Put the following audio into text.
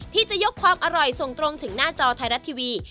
ที่จะยกความอร่อยส่งตรงถึงหน้าจอไทยรัฐทีวี